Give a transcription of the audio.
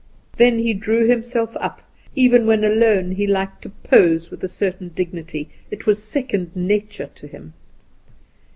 Then he drew himself up; even when alone he liked to pose with a certain dignity; it was second nature to him.